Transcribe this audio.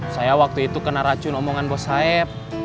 saya waktu itu kena racun omongan bos sayap